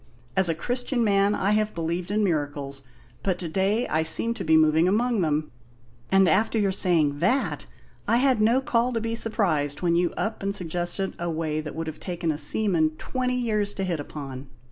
As a Christian man, I have believed in miracles, but to day I seem to be moving among them. And after your saying that, I had no call to be surprised when you up and suggested a way that would have taken a seaman twenty years to hit upon!